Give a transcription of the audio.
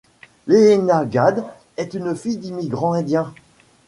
Leena Gade est la fille d'immigrants indiens.